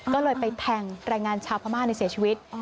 ก็เลยไปแทงแรงงานชาวพม่าในเสียชีวิต